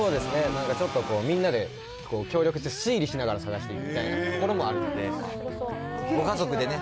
なんかちょっと、みんなで協力して推理しながら探していくみたいなところもあるのご家族でね。